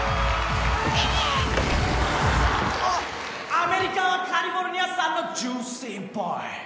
アメリカはカリフォルニア産の純正ボーイ。